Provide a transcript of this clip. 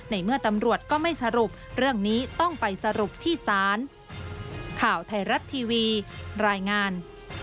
ในเมื่อตำรวจก็ไม่สรุปเรื่องนี้ต้องไปสรุปที่ศาล